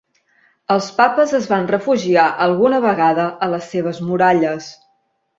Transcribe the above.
Els Papes es van refugiar alguna vegada a les seves muralles.